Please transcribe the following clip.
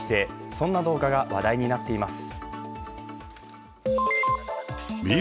そんな動画が話題になっています。